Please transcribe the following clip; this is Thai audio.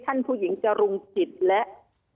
ผู้หญิงจรุงจิตและ